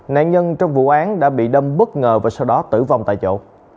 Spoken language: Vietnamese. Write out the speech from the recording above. nạn nhân trong vụ án đã bị đâm bất ngờ và sau đó tử vong tại chỗ